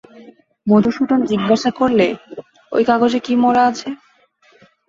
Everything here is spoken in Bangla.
মধুসূদন জিজ্ঞাসা করলে, ঐ কাগজে কী মোড়া আছে?